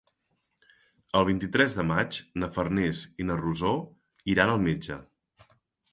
El vint-i-tres de maig na Farners i na Rosó iran al metge.